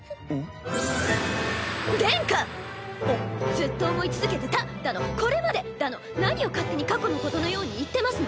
「ずっと想い続けてた」だの「これまで」だの何を勝手に過去のことのように言ってますの？